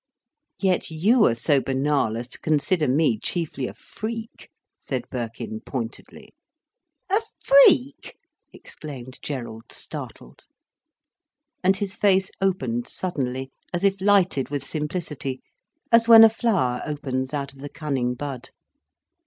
"Yet you are so banal as to consider me chiefly a freak," said Birkin pointedly. "A freak!" exclaimed Gerald, startled. And his face opened suddenly, as if lighted with simplicity, as when a flower opens out of the cunning bud.